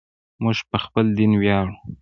موږ په خپل دین ویاړو.